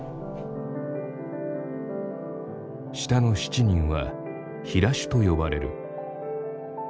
下の７人は平衆と呼ばれる。